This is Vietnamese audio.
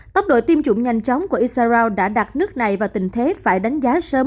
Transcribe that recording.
tốc độ tiêm chủng nhanh chóng của isaraok đã đặt nước này vào tình thế phải đánh giá sớm